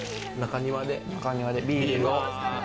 中庭でビールを。